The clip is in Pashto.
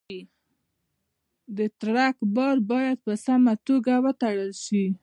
د ټرک بار باید په سمه توګه تړل شي.